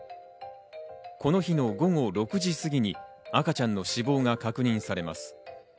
この日の午後６時過ぎに赤ちゃんの死亡が確認されます。